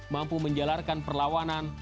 mampu menjalarkan perlawanan